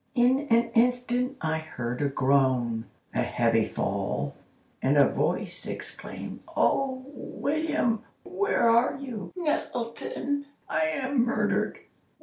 In an instant I heard a groan, a heavy fall, and a voice exclaim: 'Oh, William, where are you? Nettleton, I am murdered.